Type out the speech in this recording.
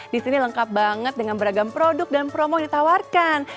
di sini lengkap banget dengan beragam produk dan promo yang ditawarkan